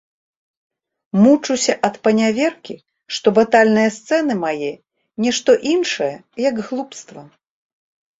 Мучуся ад паняверкі, што батальныя сцэны мае не што іншае, як глупства.